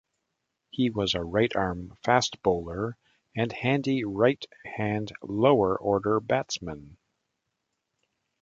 He was a right-arm fast bowler and handy right-hand lower order batsman.